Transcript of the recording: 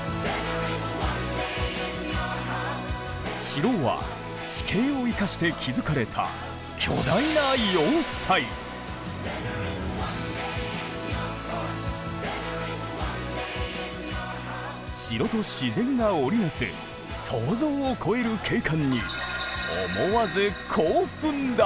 城は地形を生かして築かれた城と自然が織りなす想像を超える景観に思わず興奮だ。